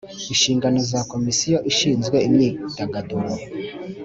Inshingano za komisiyo ishinzwe imyidagaduro